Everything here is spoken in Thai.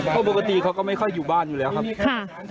เพราะปกติเขาก็ไม่ค่อยอยู่บ้านอยู่แล้วครับค่ะ